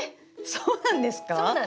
そうなんです。